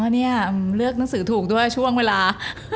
นี่เลือกหนังสือถูกด้วยช่วงเวลา